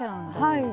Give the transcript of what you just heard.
はい。